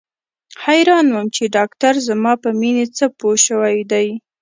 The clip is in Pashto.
حيران وم چې ډاکتر زما په مينې څه پوه سوى دى.